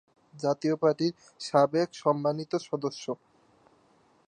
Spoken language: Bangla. জাতীয় পার্টির সাবেক সম্মানিত সদস্য,